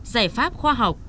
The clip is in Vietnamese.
giải pháp khoa học